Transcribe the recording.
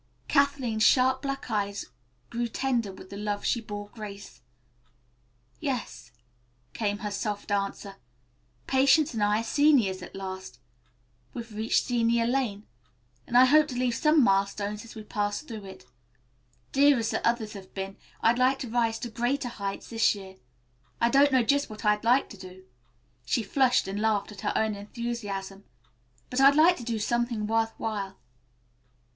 Kathleen's sharp black eyes grew tender with the love she bore Grace. "Yes," came her soft answer, "Patience and I are seniors at last. We've reached Senior Lane, and I hope to leave some milestones as we pass through it. Dear as the others have been, I'd like to rise to greater heights this year. I don't know just what I'd like to do," she flushed and laughed at her own enthusiasm, "but I'd like to do something worth while."